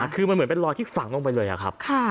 คือมันเหมือนลอยที่ฝั่งลงไปเลยอะครับ